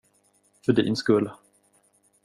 För din skull.